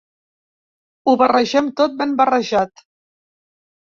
Ho barregem tot ben barrejat.